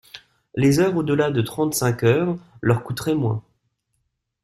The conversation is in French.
Les heures au-delà de trente-cinq heures leur coûteraient moins.